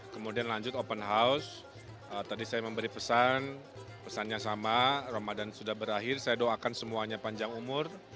kemudian lanjut open house tadi saya memberi pesan pesannya sama ramadan sudah berakhir saya doakan semuanya panjang umur